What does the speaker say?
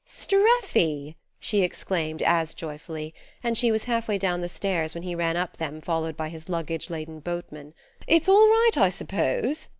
"Streffy!" she exclaimed as joyfully; and she was half way down the stairs when he ran up them followed by his luggage laden boatman. "It's all right, I suppose?